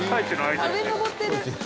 上登ってる」